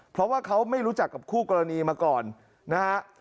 เพราะว่าเขาไม่รู้จักกับคู่กรณีมาก่อนนะฮะ